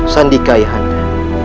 sandika ayah anda